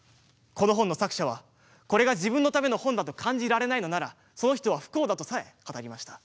この本の作者はこれが自分のための本だと感じられないのならその人は不幸だとさえ語りました。